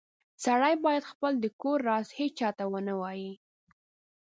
سړی باید خپل د کور راز هیچاته و نه وایې